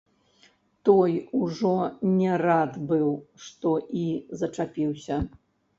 Той ужо не рад быў, што і зачапіўся.